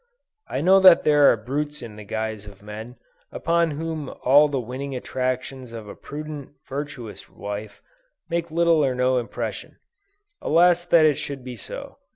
I know that there are brutes in the guise of men, upon whom all the winning attractions of a prudent, virtuous wife, make little or no impression. Alas that it should be so!